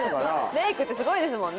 メイクってすごいですもんね？